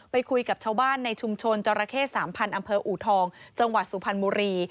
ไปคุยกับชาวบ้านในชุมชนจราเข้๓๐๐อำเภออูทองจังหวัดสุพรรณบุรี